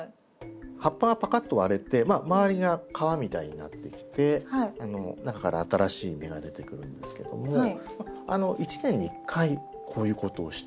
葉っぱがパカッと割れて周りが皮みたいになってきて中から新しい芽が出てくるんですけども１年に１回こういうことをして。